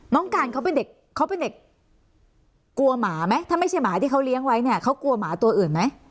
น้องการเขาเป็นเด็กเขาเป็นเด็กกลัวหมาไหมถ้าไม่ใช่หมาที่เขาเลี้ยงไว้เนี่ยเขากลัวหมาตัวอื่นไหม